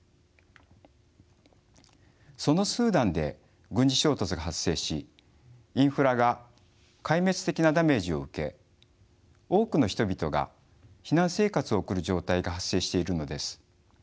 そのスーダンで軍事衝突が発生しインフラが壊滅的なダメージを受け多くの人々が避難生活を送る状態が発生しているのです。